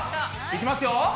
いきますよ。